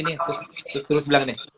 terus tulus bilang ini